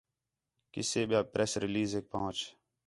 قِصّے ٻِیا پریس ریلیزیک پہن٘چ